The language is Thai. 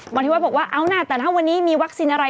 ที่วัดบอกว่าเอานะแต่ถ้าวันนี้มีวัคซีนอะไร